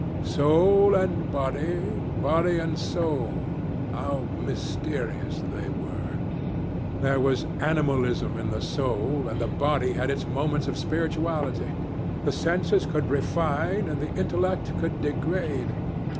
Soul and body, body and soul—how mysterious they were! There was animalism in the soul, and the body had its moments of spirituality. The senses could refine, and the intellect could degrade.